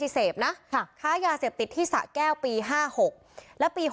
สวัสดีครับ